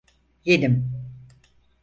Yedim.